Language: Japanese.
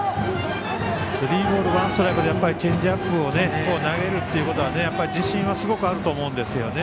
スリーボールワンストライクでチェンジアップを投げるということは自信はすごくあると思うんですね。